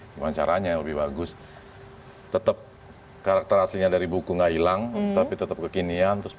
wawancaranya lebih bagus tetep karakter aslinya dari buku nggak hilang tapi tetap kekinian terus